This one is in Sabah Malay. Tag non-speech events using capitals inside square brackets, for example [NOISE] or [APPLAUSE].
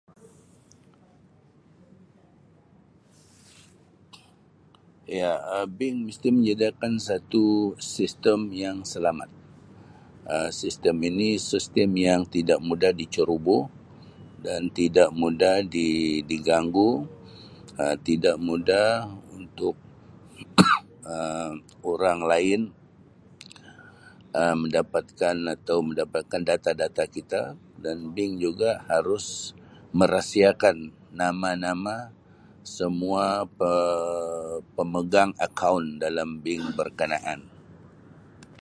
Ya Um bank misti menyediakan satu sistem yang selamat Um sistem ini sistem yang tidak mudah diceroboh dan tidak mudah di-di ganggu Um tidak mudah untuk [COUGHS] Um orang lain Um mendapatkan atau mendapatkan data-data kita dan bank juga harus merahsiakan nama-nama semua pe-pemegang akaun dalam bank berkenaan.